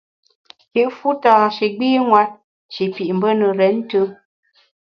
Kit fu tâ shi gbînwet, shi pit mbe ne renntùm.